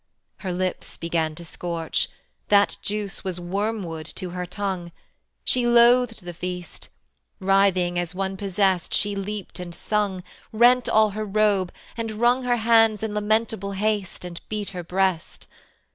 Her lips began to scorch, That juice was wormwood to her tongue, She loathed the feast: Writhing as one possessed she leaped and sung, Rent all her robe, and wrung Her hands in lamentable haste, And beat her breast.